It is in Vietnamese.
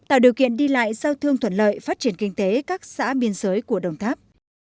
tạo điều kiện đi lại giao thương thuận lợi phát triển kinh tế các xã biên giới của đồng tháp